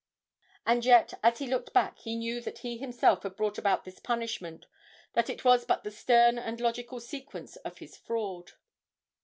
And yet, as he looked back, he knew that he himself had brought about this punishment, that it was but the stern and logical sequence of his fraud.